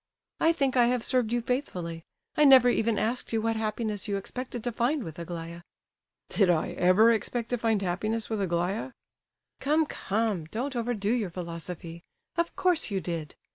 "I think I have served you faithfully. I never even asked you what happiness you expected to find with Aglaya." "Did I ever expect to find happiness with Aglaya?" "Come, come, don't overdo your philosophy. Of course you did.